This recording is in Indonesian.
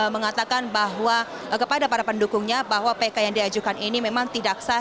mengatakan bahwa kepada para pendukungnya bahwa pk yang diajukan ini memang tidak sah